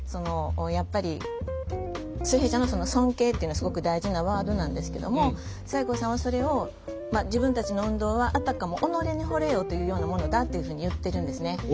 やっぱり水平社の「尊敬」っていうのはすごく大事なワードなんですけども西光さんはそれを自分たちの運動はあたかも「己に惚れよ」というようなものだっていうふうに言ってるんですね。